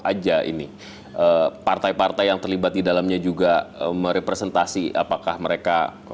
dan ahok aja ini partai partai yang terlibat di dalamnya juga merepresentasi apakah mereka